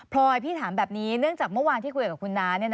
รอยพี่ถามแบบนี้เนื่องจากเมื่อวานที่คุยกับคุณน้า